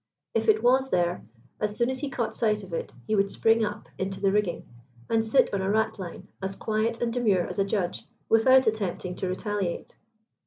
If it was there, as soon as he caught sight of it, he would spring up into the rigging and sit on a ratline, as quiet and demure as a judge, without attempting to retaliate.